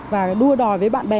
và đua đòi với bạn bè